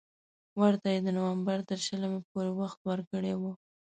ورته یې د نومبر تر شلمې پورې وخت ورکړی وو.